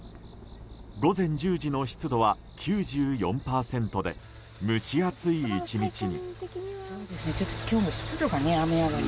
午前１０時の湿度は９４％で蒸し暑い１日に。